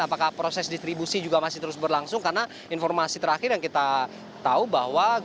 apakah proses distribusi juga masih terus berlangsung karena informasi terakhir yang kita tahu bahwa